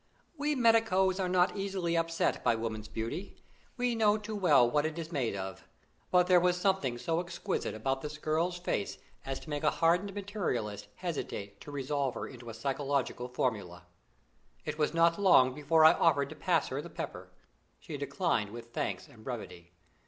We medicos are not easily upset by woman's beauty; we know too well what it is made of. But there was something so exquisite about this girl's face as to make a hardened materialist hesitate to resolve her into a physiological formula. It was not long before I offered to pass her the pepper. She declined with thanks and brevity.